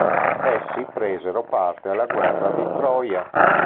Essi presero parte alla guerra di Troia.